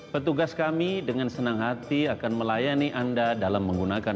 petugas kami dengan senang hati akan melayani anda dalam menggunakan